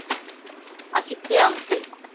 Официанткой.